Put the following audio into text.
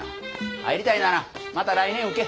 入りたいならまた来年受け。